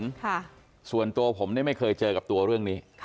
ค่ะส่วนตัวผมเนี่ยไม่เคยเจอกับตัวเรื่องนี้ค่ะ